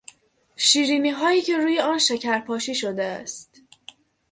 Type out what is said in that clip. شیرینیهایی که روی آن شکر پاشی شده است